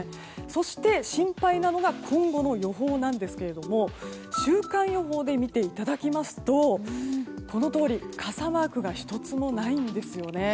そして心配なのが今後の予報なんですが週間予報で見ていきますとこのとおり、傘マークが１つもないんですよね。